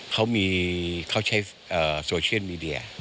เขาใช้โซเชียลมีเดีย